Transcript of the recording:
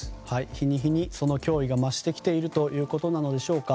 日に日にその脅威が増してきているということなのでしょうか。